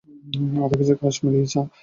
আধা কেজি কাশ্মীরি মরিচ?